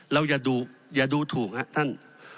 เราอย่าดูถูกนะครับท่าน